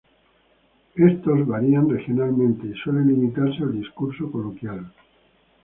Estos varían regionalmente y suelen limitarse al discurso coloquial.